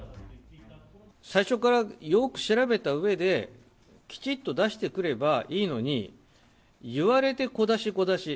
最初からよーく調べたうえで、きちっと出してくればいいのに、言われて小出し、小出し。